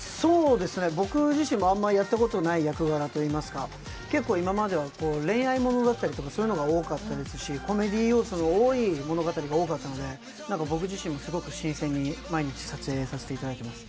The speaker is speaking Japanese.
僕自身もあんまりやったことない役柄といいますか結構、今までは恋愛ものだったりとかそういうのが多かったですし、コメディー要素の多い物語が多かったので、僕自身もすごく新鮮に毎日撮影させていただいています。